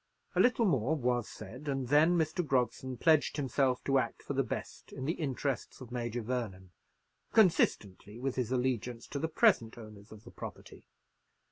A little more was said, and then Mr. Grogson pledged himself to act for the best in the interests of Major Vernon, consistently with his allegiance to the present owners of the property.